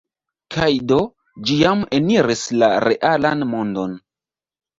Kaj do, ĝi jam eniris la realan mondon.